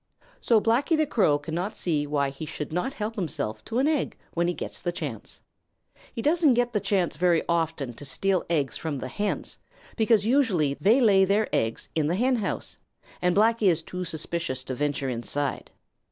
So Blacky the Crow cannot see why he should not help himself to an egg when he gets the chance. He doesn't get the chance very often to steal eggs from the hens, because usually they lay their eggs in the henhouse, and Blacky is too suspicious to venture inside.